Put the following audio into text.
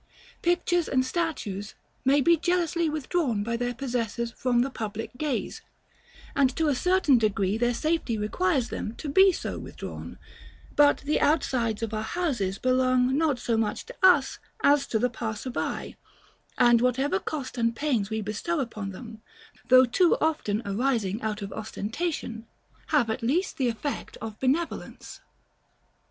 Pictures and statues may be jealously withdrawn by their possessors from the public gaze, and to a certain degree their safety requires them to be so withdrawn; but the outsides of our houses belong not so much to us as to the passer by, and whatever cost and pains we bestow upon them, though too often arising out of ostentation, have at least the effect of benevolence.